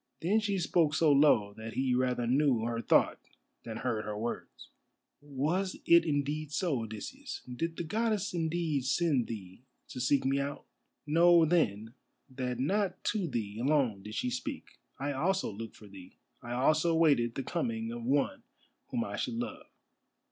Then she spoke so low that he rather knew her thought than heard her words: "Was it indeed so, Odysseus? Did the Goddess indeed send thee to seek me out? Know, then, that not to thee alone did she speak. I also looked for thee. I also waited the coming of one whom I should love.